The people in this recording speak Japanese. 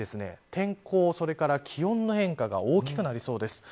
天候、それから気温の変化が大きくなりそうです。